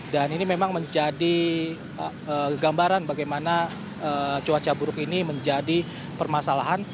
dan ini memang menjadi gambaran bagaimana cuaca buruk ini menjadi permasalahan